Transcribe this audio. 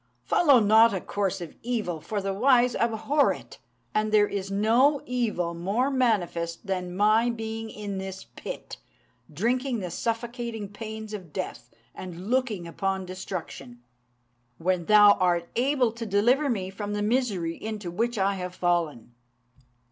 Follow not a course of evil, for the wise abhor it; and there is no evil more manifest than my being in this pit, drinking the suffocating pains of death, and looking upon destruction, when thou art able to deliver me from the misery into which I have fallen."